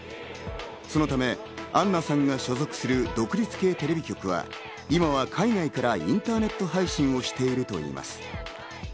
そのためアンナさんが所属する独立系テレビ局は、今は海外からインターネット配信をしているといいます。